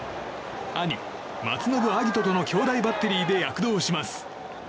兄・松延晶音との兄弟バッテリーで躍動します。